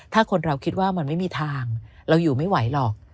ถ้าคนเราคิดว่ามันไม่มีทางเราอยู่ไม่ไหวหรอก